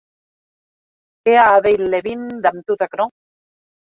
Qué a a veir Levin damb tot aquerò?